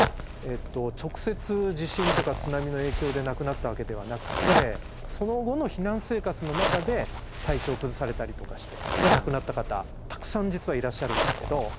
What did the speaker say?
直接地震とか津波の影響で亡くなったわけではなくってその後の避難生活の中で体調を崩されたりとかして亡くなった方たくさん実はいらっしゃるんですけど。